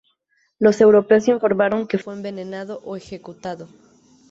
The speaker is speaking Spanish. Los europeos informaron que fue envenenado o ejecutado.